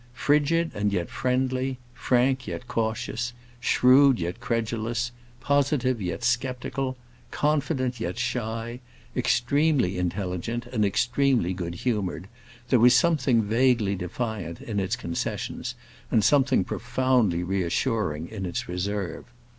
Frigid and yet friendly, frank yet cautious, shrewd yet credulous, positive yet sceptical, confident yet shy, extremely intelligent and extremely good humored, there was something vaguely defiant in its concessions, and something profoundly reassuring in its reserve.